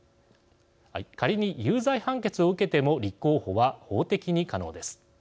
仮に有罪判決を受けても立候補は法的に可能です。